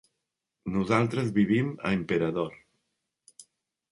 Nosaltres vivim a Emperador.